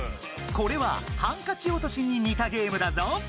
これはハンカチおとしににたゲームだぞ！